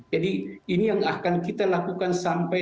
jadi ini yang akan kita lakukan sampai dan sampai